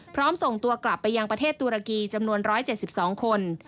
ส่งตัวกลับไปยังประเทศตุรกีจำนวน๑๗๒คน